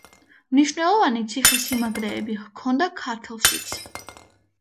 მნიშვნელოვანი ციხესიმაგრეები ჰქონდა ქართლშიც.